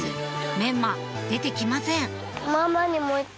メンマ出て来ません